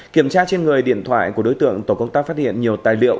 kiểm tra trên người điện thoại của đối tượng tổ công tác phát hiện nhiều tài liệu